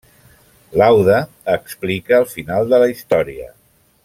Lauda explica el final de la història.